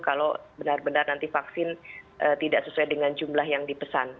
kalau benar benar nanti vaksin tidak sesuai dengan jumlah yang dipesan